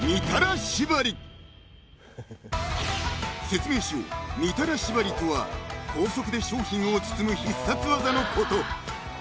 ［説明しようみたら縛りとは高速で商品を包む必殺技のこと］